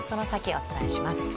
お伝えします。